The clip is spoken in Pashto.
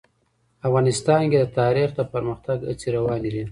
افغانستان کې د تاریخ د پرمختګ هڅې روانې دي.